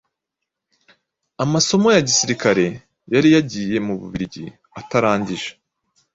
amasomo ya gisirikare yari yagiye mu Bubiligi atarangije.